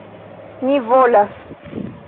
Ni volas.